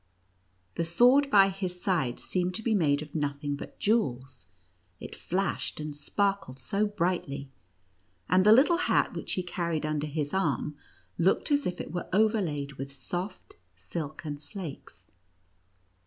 The sword by his side seemed to be made of nothing but jewels, it flashed and sparkled so brightly, and the little hat which he carried under his arm looked as if it were overlaid with soft, silken flakes.